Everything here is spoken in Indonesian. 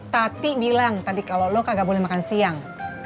tati bilang tadi kalau lu kagak boleh makan siang